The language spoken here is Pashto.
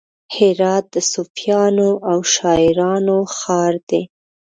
هرات د صوفیانو او شاعرانو ښار دی.